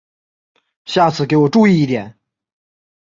下次给我注意一点！